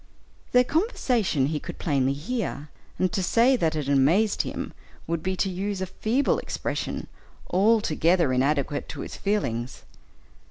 Their conversation he could plainly hear, and to say that it amazed him, would be to use a feeble expression, altogether inadequate to his feelings.